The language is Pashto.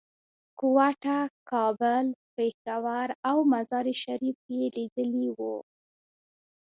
کوټه، کابل، پېښور او مزار شریف یې لیدلي وو.